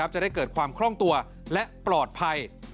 จะได้เกิดความคล่องตัวและปลอดภัย